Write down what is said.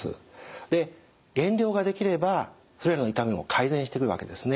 で減量ができればそれらの痛みも改善してくるわけですね。